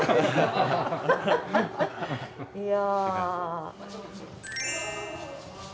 いや。